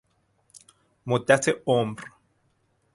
مدت عمر